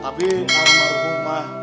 tapi kalau baru rumah